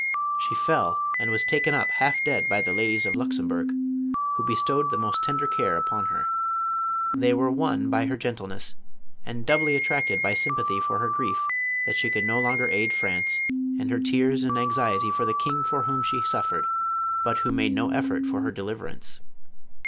She fell and was taken up hall' dead by the Indies of Luxembourg, \\ho bestowed the most tender care upon her. They were 172 JOAN OF ARC. won by her gentleness, and doubly attracted by sym pathy for her grief that she could no longer aid France, and her tears and anxiety for the king for whom she suffered, but who made no effort for her deliverance.